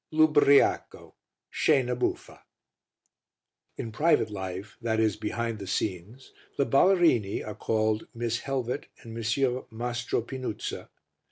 L'Ubbriaco. Scena buffa. In private life, that is behind the scenes, the ballerini are called Miss Helvet and Monsieur Mastropinnuzza.